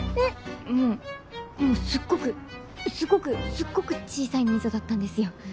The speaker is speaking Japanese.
もうすっごくすごくすっごく小さい溝だったんですよ。